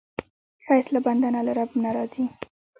ښایست له بنده نه، له رب نه راځي